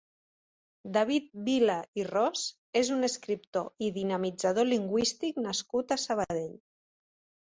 David Vila i Ros és un escriptor i dinamitzador lingüístic nascut a Sabadell.